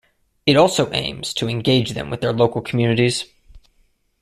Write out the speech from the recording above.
It also aims to engage them with their local communities.